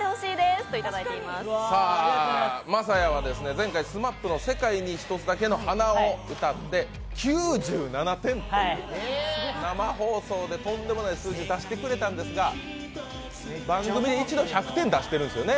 前回、晶哉はＳＭＡＰの「世界に一つだけの花」を歌って９７点という、生放送でとんでもない数字を出してくれたんですが、番組で一度１００点を出してるんですよね。